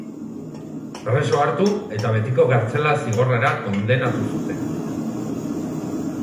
Preso hartu eta betiko kartzela-zigorrera kondenatu zuten.